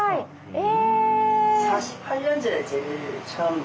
え。